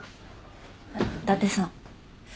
伊達さん。